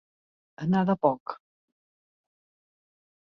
Anar de poc.